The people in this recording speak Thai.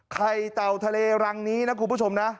เต่าทะเลรังนี้นะคุณผู้ชมนะ